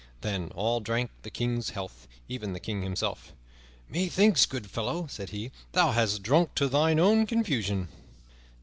Then all drank the King's health, even the King himself. "Methinks, good fellow," said he, "thou hast drunk to thine own confusion."